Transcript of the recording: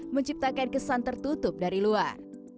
menciptakan kesan tertutup dari luar